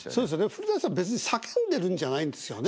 古さん別に叫んでるんじゃないんですよね。